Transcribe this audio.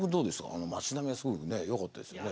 あの街並みがすごくねよかったですよね。